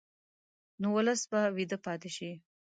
نو ولس به ویده پاتې شي.